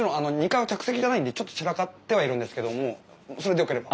２階は客席じゃないんでちょっと散らかってはいるんですけどもそれでよければ。